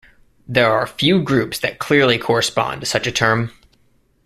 There are few groups that clearly correspond to such a term.